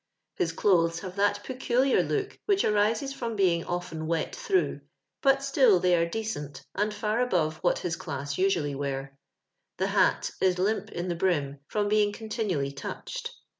His clothes have that peculiar look which arises from being often wet through, but still they are decent, and far above what his class usually wear. The hat is Ump in the brim, from being continually touched.